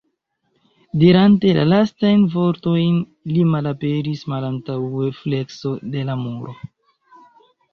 Dirante la lastajn vortojn, li malaperis malantaŭ flekso de la muro.